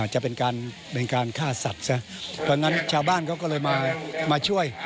จะเป็นการฆ่าสัตว์ซะตอนนั้นชาวบ้านก็เลยมาช่วย